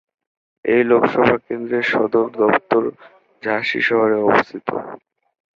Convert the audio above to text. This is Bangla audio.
এই লোকসভা কেন্দ্রের সদর দফতর ঝাঁসি শহরে অবস্থিত।